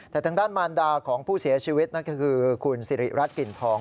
แต่ทางด้านมารดาของผู้เสียชีวิตนั่นก็คือคุณสิริรัตนกลิ่นทอง